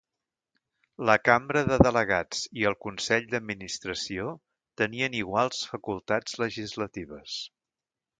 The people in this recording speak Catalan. La Cambra de Delegats i el Consell d'Administració tenien iguals facultats legislatives.